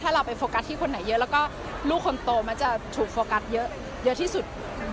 เราไปโฟกัสที่คนไหนเยอะแล้วก็ลูกคนโตมักจะถูกโฟกัสเยอะที่สุด